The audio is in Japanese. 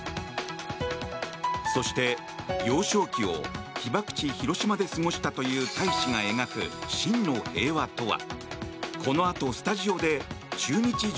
そして幼少期を被爆地・広島で過ごしたという大使が描く、真の平和とは。